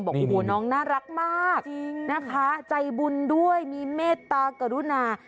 บอกโอ้โหน้องน่ารักมากนะคะใจบุญด้วยมีเมตตากรุณา